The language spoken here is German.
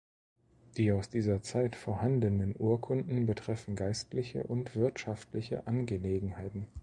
Die aus dieser Zeit vorhandenen Urkunden betreffen geistliche und wirtschaftliche Angelegenheiten.